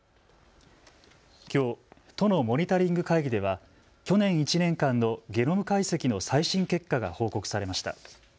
きょう都のモニタリング会議では去年１年間のゲノム解析の最新結果が報告されました。